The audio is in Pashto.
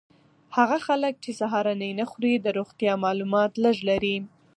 هغه خلک چې سهارنۍ نه خوري د روغتیا مالومات لږ لري.